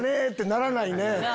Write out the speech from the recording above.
ならないね。